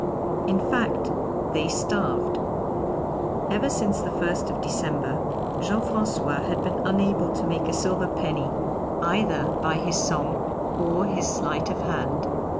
In fact, they starved. Ever since the 1st of December Jean Francois had been unable to make a silver penny either by his song or his sleight of hand.